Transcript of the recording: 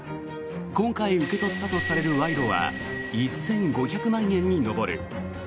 今回受け取ったとされる賄賂は１５００万円に上る。